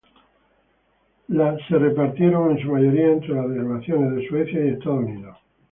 Las se repartieron en su mayoría entre las delegaciones de Suecia y Estados Unidos.